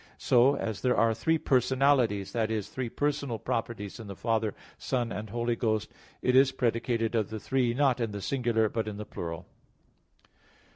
So, as there are three personalities that is, three personal properties in the Father, Son and Holy Ghost it is predicated of the three, not in the singular, but in the plural.